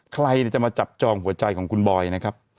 ใครจะมาจับจองหัวใจของคุณบอยนะครับ